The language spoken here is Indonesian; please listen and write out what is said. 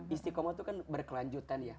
istiqomah itu kan berkelanjutan ya